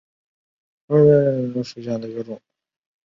长萼石笔木为山茶科石笔木属下的一个种。